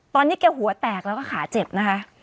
ตอนนี้แกหัวแตกแล้วก็ขาเจ็บนะคะ